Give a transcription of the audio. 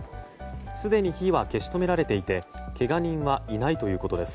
すでに火は消し止められていてけが人はいないということです。